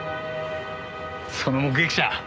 その目撃者